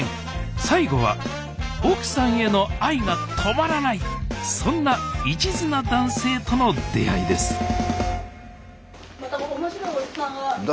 最後は奥さんへの愛が止まらないそんないちずな男性との出会いです誰？